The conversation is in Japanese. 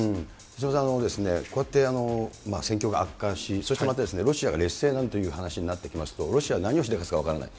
手嶋さん、こうやって戦況が悪化し、そしてまたロシアが劣勢なんて話になってきますと、ロシア、何をしでかすか分からない。